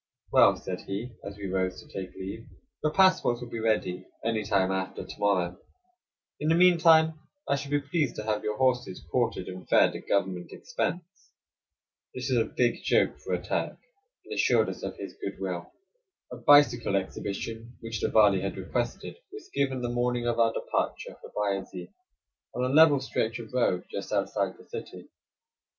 "Well," said he, as we rose to take leave, "your passports will be ready any time after to morrow; in the mean time I shall be pleased to have your horses quartered and fed at government expense." This was a big joke for a Turk, and assured us of his good will. A bicycle exhibition which the Vali had requested was given the morning of our departure for Bayazid, on a level stretch of road just outside the city.